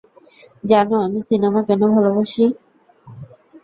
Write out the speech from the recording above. জানো আমি সিনেমা কেন ভালোবাসি?